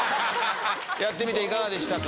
やってみていかがでしたか？